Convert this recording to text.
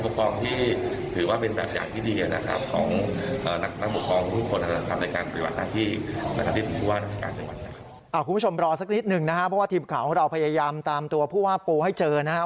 คุณผู้ชมรอสักนิดหนึ่งนะครับเพราะว่าทีมข่าวของเราพยายามตามตัวผู้ว่าปูให้เจอนะครับ